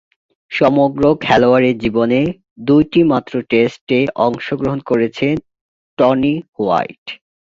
সমগ্র খেলোয়াড়ী জীবনে দুইটিমাত্র টেস্টে অংশগ্রহণ করেছেন টনি হোয়াইট।